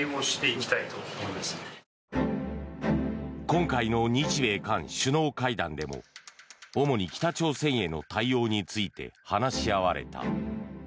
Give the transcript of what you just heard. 今回の日米韓首脳会談でも主に北朝鮮への対応について話し合われた。